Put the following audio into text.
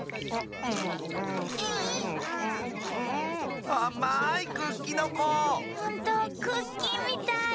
ほんとクッキーみたい！